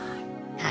はい。